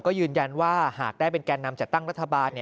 ก็ยืนยันว่าหากได้เป็นแก่นำจัดตั้งรัฐบาล